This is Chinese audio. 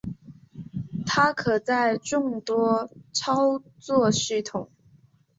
它可在众多操作系统。